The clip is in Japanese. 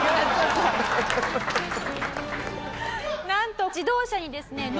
なんと自動車にですね。